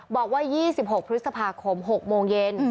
บอกว่า๒๖พฤษภาคม๖โมงเย็น